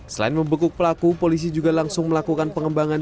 selain membekuk pelaku polisi juga langsung melakukan pengembangan